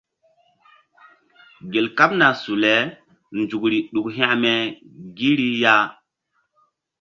Gel kaɓna su le nzukri ɗuk hȩkme gi ri ya.